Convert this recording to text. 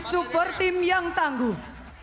super tim yang tangguh